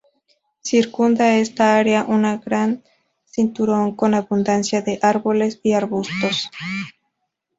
Circunda esta área un gran cinturón con abundancia de árboles y arbustos.